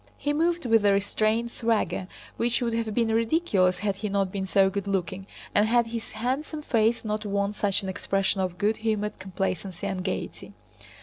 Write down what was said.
He moved with a restrained swagger which would have been ridiculous had he not been so good looking and had his handsome face not worn such an expression of good humored complacency and gaiety.